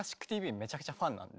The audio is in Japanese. めちゃくちゃファンなんで。